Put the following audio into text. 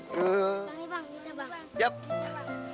gede amat deh uangnya